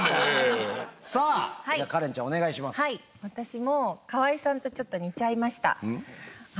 私も河合さんとちょっと似ちゃいました。